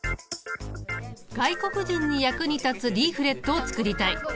外国人に役に立つリーフレットを作りたい。